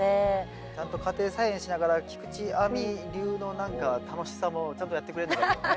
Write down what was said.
ちゃんと家庭菜園しながら菊地亜美流の何か楽しさもちゃんとやってくれたよね。